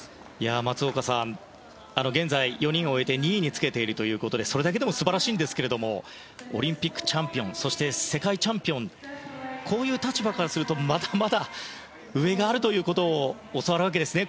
松岡さん、現在４人を終えて２位につけていますがそれだけでも素晴らしいんですけれどもオリンピックチャンピオンそして、世界チャンピオンこういう立場からするとまだまだ上があるということを教わるわけですね。